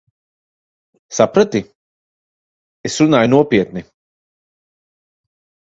Saprati? Es runāju nopietni.